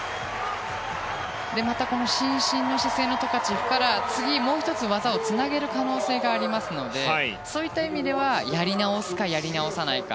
この伸身の姿勢のトカチェフから次もう１つ、技をつなげる可能性がありますのでそういった意味ではやり直すか、やり直さないか。